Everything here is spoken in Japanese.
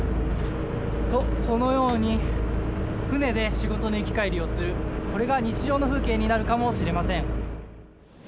と、このように、船で仕事の行き帰りをするこれが日常の風景になるかもしれません。